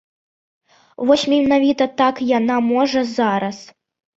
Вось менавіта так яна можа зараз.